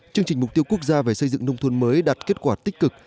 chương trình mục tiêu quốc gia về xây dựng nông thôn mới đạt kết quả tích cực